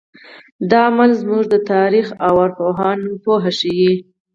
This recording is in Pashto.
دا عمل زموږ د تاریخ او ارواپوهنې پوهه ښیي.